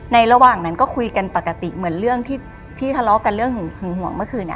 ระหว่างนั้นก็คุยกันปกติเหมือนเรื่องที่ทะเลาะกันเรื่องหึงห่วงเมื่อคืนเนี่ย